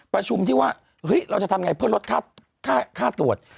ประชุมที่ว่าเฮ้ยเราจะทำไงเพื่อลดค่าตรวจ